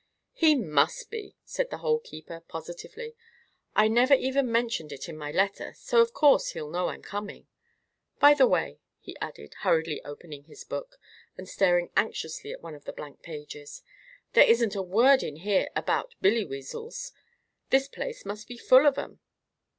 "He must be," said the Hole keeper, positively. "I never even mentioned it in my letter; so, of course, he'll know I'm coming. By the way," he added, hurriedly opening his book, and staring anxiously at one of the blank pages, "there isn't a word in here about Billyweazles. This place must be full of 'em."